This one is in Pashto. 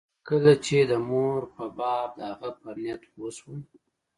کله چې د مور په باب د هغه پر نيت پوه سوم.